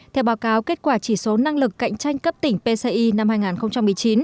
theo báo cáo kết quả chỉ số năng lực cạnh tranh cấp tỉnh pci năm hai nghìn một mươi chín